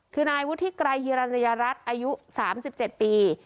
คือนายวุฒิไกรฮิรัญญารัฐอายุ๓๗ปี